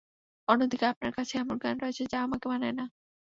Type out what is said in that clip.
অন্যদিকে আপনার কাছে এমন জ্ঞান রয়েছে যা আমাকে মানায় না।